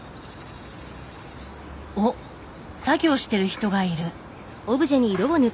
おっ作業してる人がいる。